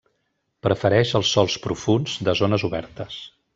Prefereix els sòls profunds de zones obertes.